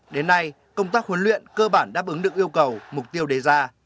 đến nay công tác huấn luyện cơ bản đáp ứng được yêu cầu mục tiêu đề ra